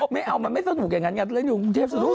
ไม่มันไม่สนุกอย่างนั้นการเรียนหญิง